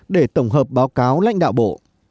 để tổng hợp báo cáo lãnh đạo bộ